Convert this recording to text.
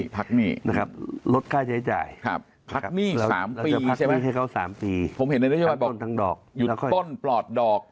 พักหนี้ลดค่าใช้จ่ายพักหนี้ให้เขา๓ปีหยุดป้นปลอดดอก